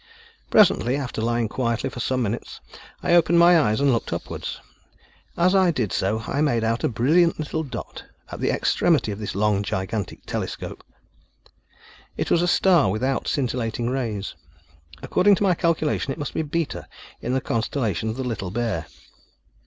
Presently, after lying quietly for some minutes, I opened my eyes and looked upwards. As I did so I made out a brilliant little dot, at the extremity of this long, gigantic telescope. It was a star without scintillating rays. According to my calculation, it must be Beta in the constellation of the Little Bear.